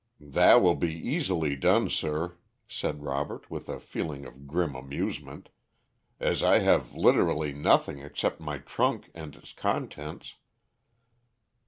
"That will be easily done, sir," said Robert, with a feeling of grim amusement; "as I have literally nothing except my trunk and its contents."